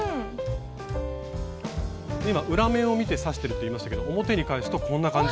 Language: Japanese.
今裏面を見て刺してるって言いましたけど表に返すとこんな感じ。